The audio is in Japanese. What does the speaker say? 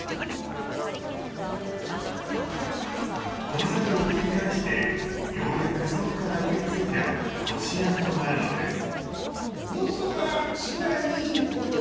この作業を繰り返してようやく祖父から受け継いだこしあんとなるのです。